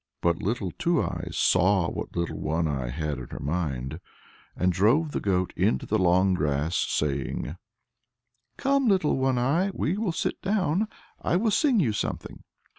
But Little Two Eyes saw what Little One Eye had in her mind, and drove the goat into long grass, saying, "Come, Little One Eye, we will sit down; I will sing you something."